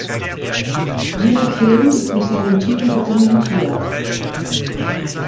Jeder Film ist mit seinem Titel dokumentiert.